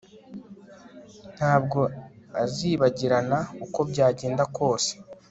Ntabwo azibagirana uko byagenda kose